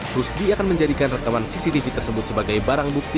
rusdi akan menjadikan rekaman cctv tersebut sebagai barang bukti